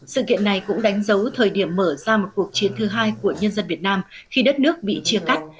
sự kiện này cũng đánh dấu thời điểm mở ra một cuộc chiến thứ hai của nhân dân việt nam khi đất nước bị chia cắt